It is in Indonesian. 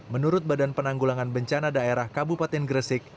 menurut badan penanggulangan bencana daerah kabupaten gresik